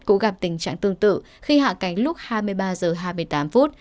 cũng gặp tình trạng tương tự khi hạ cánh lúc hai mươi ba h hai mươi tám phút